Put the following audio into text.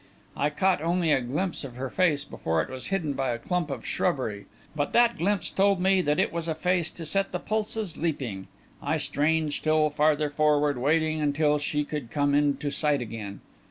I caught only a glimpse of her face before it was hidden by a clump of shrubbery, but that glimpse told me that it was a face to set the pulses leaping. I strained still farther forward, waiting until she should come into sight again....